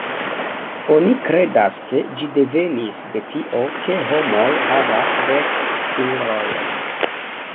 Oni kredas, ke ĝi devenis de tio ke homoj havas dek fingrojn.